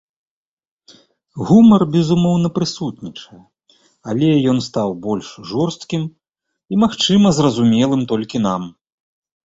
Гумар, безумоўна, прысутнічае, але ён стаў больш жорсткім і, магчыма, зразумелым толькі нам.